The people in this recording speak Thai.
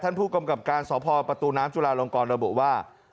ท่านผู้กำกับการสพปน้ำจุลาลงกรระบุว่า